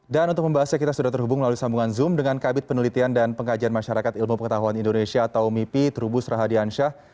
dan untuk membahasnya kita sudah terhubung melalui sambungan zoom dengan kabit penelitian dan pengajian masyarakat ilmu pengetahuan indonesia atau mipi trubus rahadiansyah